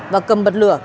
và cầm bật lửa